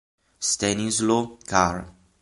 Stanisław Car